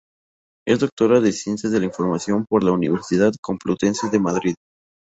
Es doctora en Ciencias de la Información por la Universidad Complutense de Madrid.